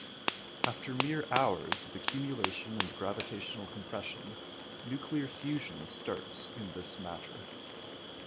After mere hours of accumulation and gravitational compression, nuclear fusion starts in this matter.